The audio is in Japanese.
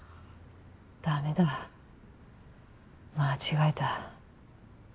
駄目だ間違えた。